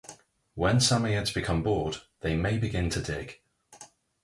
When Samoyeds become bored, they may begin to dig.